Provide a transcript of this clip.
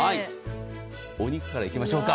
お肉からいきましょう。